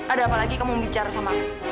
ada apa lagi kamu bicara sama aku